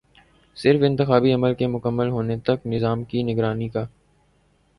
صرف انتخابی عمل کے مکمل ہونے تک نظام کی نگرانی کا